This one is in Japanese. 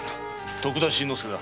徳田新之助だ。